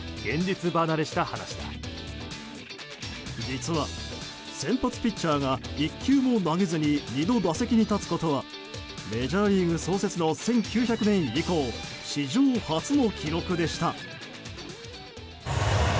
実は先発ピッチャーが１球も投げずに２度打席に立つことはメジャーリーグ創設の１９００年以降史上初の記録でした。